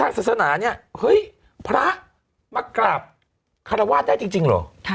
ทางศักษณะเนี้ยเฮ้ยพระมากาบคาราวาดได้จริง